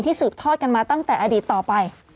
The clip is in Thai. สืบทอดกันมาตั้งแต่อดีตต่อไป